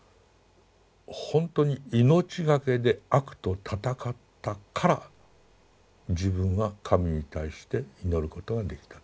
ほんとに命懸けで悪と闘ったから自分は神に対して祈ることができたと。